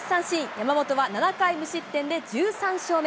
山本は７回無失点で１３勝目。